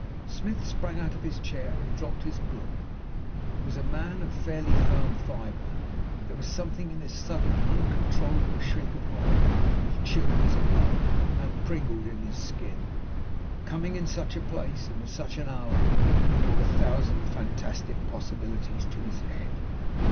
Smith sprang out of his chair and dropped his book. He was a man of fairly firm fibre, but there was something in this sudden, uncontrollable shriek of horror which chilled his blood and pringled in his skin. Coming in such a place and at such an hour, it brought a thousand fantastic possibilities into his head.